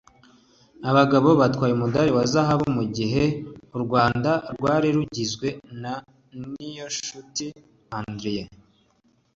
Aba bagabo batwaye umudali wa Zahabu mu gihe u Rwanda rwari rugizwe na Niyonshuti Adrien